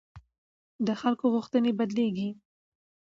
د خلکو غوښتنې بدلېږي